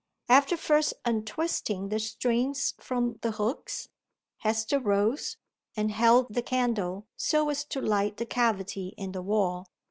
After first untwisting the strings from the hooks, Hester rose, and held the candle so as to light the cavity in the wall.